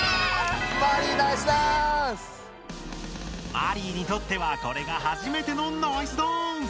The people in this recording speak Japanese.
マリイにとってはこれが初めてのナイスダンス！